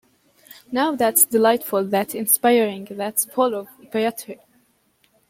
Now that's delightful, that's inspiriting, that's full of poetry!